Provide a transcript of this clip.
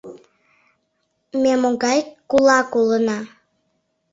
Ме могай кулак улына?..